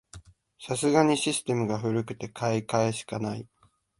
さすがにシステムが古くて買い替えしかない